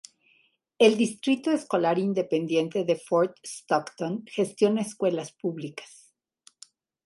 El Distrito Escolar Independiente de Fort Stockton gestiona escuelas públicas.